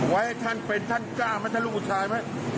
ให้ท่านเป็นท่านกล้าไหมท่านลูกอุทัยไหม